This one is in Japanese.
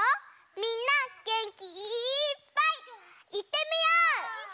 みんなげんきいっぱいいってみよう！